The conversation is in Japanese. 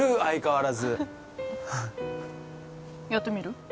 相変わらずやってみる？